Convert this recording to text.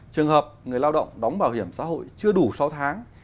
trường hợp người lao động đóng bảo hiểm xã hội chưa đủ sáu tháng